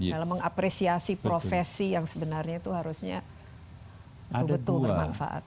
dalam mengapresiasi profesi yang sebenarnya itu harusnya betul betul bermanfaat